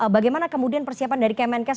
bagaimana kemudian persiapan dari kemenkes